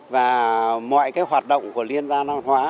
và mọi cái hoạt động của liên gian văn hóa